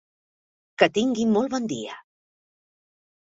Que tingui molt bon dia.